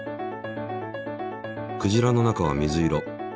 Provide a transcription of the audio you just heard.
クジラの中は水色。